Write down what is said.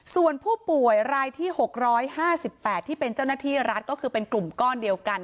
ส่วนผู้ป่วยรายที่๖๕๘ที่เป็นเจ้าหน้าที่รัฐก็คือเป็นกลุ่มก้อนเดียวกัน